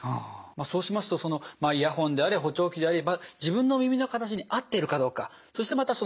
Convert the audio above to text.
そうしますとイヤホンであれ補聴器であれ自分の耳の形に合っているかどうかそしてまた長時間使用しすぎない